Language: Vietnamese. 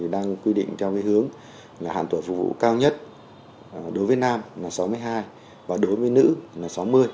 đang quy định theo hướng là hạn tuổi phục vụ cao nhất đối với nam là sáu mươi hai và đối với nữ là sáu mươi